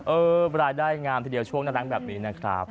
เออบรรยายได้งามทีเดียวช่วงน่ารักแบบนี้นะครับ